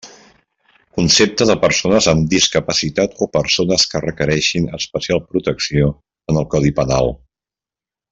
Concepte de persones amb discapacitat o persones que requereixen especial protecció, en el Codi Penal.